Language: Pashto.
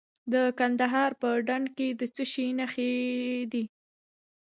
د کندهار په ډنډ کې د څه شي نښې دي؟